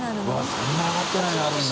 「そんな上がってない」になるんだ。